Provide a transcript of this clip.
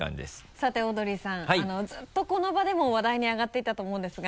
さてオードリーさんずっとこの場でも話題に上がっていたと思うんですが。